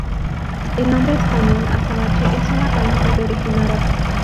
El nombre español azabache es una palabra de origen árabe.